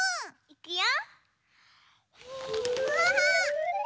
いくよ！